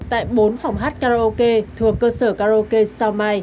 tại bốn phòng hát karaoke thuộc cơ sở karaoke sao mai